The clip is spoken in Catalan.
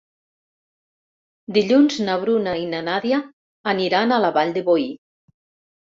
Dilluns na Bruna i na Nàdia aniran a la Vall de Boí.